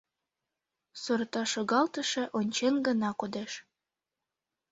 Сорта шогалтыше ончен гына кодеш.